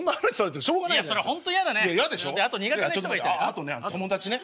あとね友達ね。